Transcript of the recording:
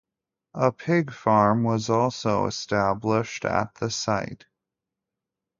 A pig farm was also established at the site.